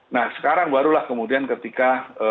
nah sekarang barulah kemudian ketika